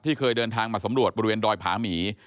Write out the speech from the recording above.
เคยเดินทางมาสำรวจบริเวณดอยผาหมี